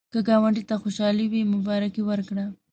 که ګاونډي ته خوشالي وي، مبارکي ورکړه